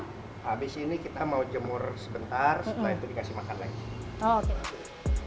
habis ini kita mau jemur sebentar setelah itu dikasih makan lagi